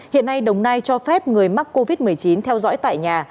hiện nay đồng nai cho phép người mắc covid một mươi chín theo dõi tại nhà